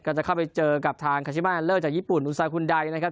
จะเข้าไปเจอกับทางคาชิมาเลอร์จากญี่ปุ่นอุซาคุณไดนะครับ